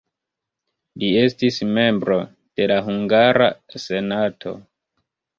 Li estis membro de la hungara senato.